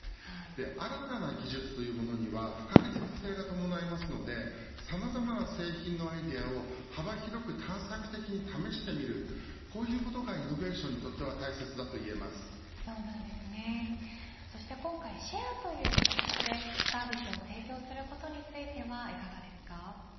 新たな技術というものには不確実性が伴いますのでさまざまな製品のアイデアを幅広く探索的に試してみるこういうことがイノベーションにそして今回、シェアという形でサービスを提供することについてはいかがですか。